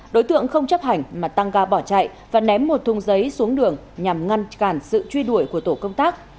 đối tượng không chấp hành mà tăng ga bỏ chạy và ném một thùng giấy xuống đường nhằm ngăn cản sự truy đuổi của tổ công tác